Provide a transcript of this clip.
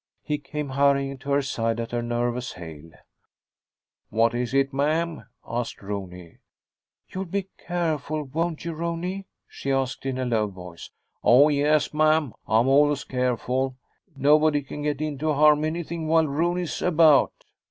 He came hurrying to her side at her nervous hail. "What is it, ma'am?" asked Rooney. "You'll be careful, won't you, Rooney?" she asked in a low voice. "Oh, yes, ma'am. I'm always careful. Nobody can get in to harm anything while Rooney's about."